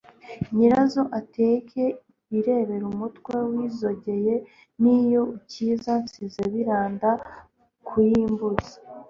Nyirazo ateke yirebereUmutwe w' Izogeye ni yo ukizaNsize biranda ku y' imbuzi